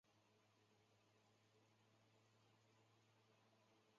扎达诺夫是乌克兰现任青年和体育部长。